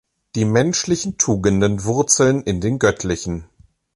Die menschlichen Tugenden wurzeln in den göttlichen.